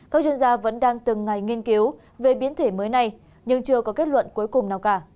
các chuyên gia vẫn đang từng ngày nghiên cứu về biến thể mới này nhưng chưa có kết luận cuối cùng nào cả